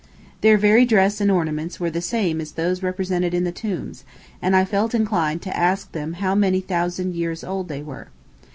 Their very dress and ornaments were the same as those represented in the tombs, and I felt inclined to ask them how many thousand years old they were.